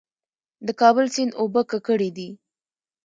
د کابل سیند اوبه ککړې دي؟